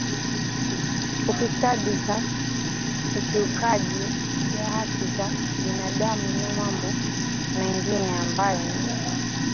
ufisadi za ukieukaji ya haki za kibinadamu na mambo mengine ambayo ni